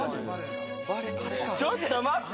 ちょっと待って！